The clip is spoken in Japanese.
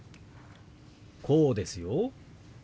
こうですよ。